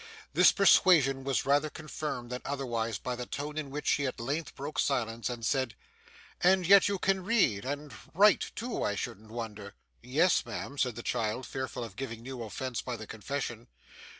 This persuasion was rather confirmed than otherwise by the tone in which she at length broke silence and said, 'And yet you can read. And write too, I shouldn't wonder?' 'Yes, ma'am,' said the child, fearful of giving new offence by the confession.